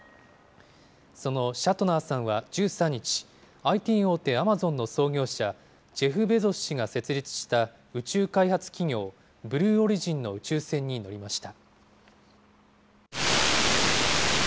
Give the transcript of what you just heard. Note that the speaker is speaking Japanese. そのシャトナーさんは、１３日、ＩＴ大手アマゾンの創業者、ジェフ・ベゾス氏が設立した宇宙開発企業ブルーオリジンの宇宙船に乗りました。